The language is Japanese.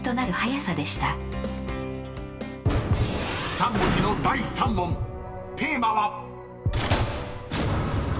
［３文字の第３問テーマは］